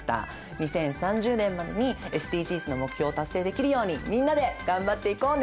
２０３０年までにＳＤＧｓの目標を達成できるようにみんなで頑張っていこうね！